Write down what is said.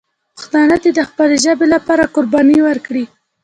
پښتانه دې د خپلې ژبې لپاره قرباني ورکړي.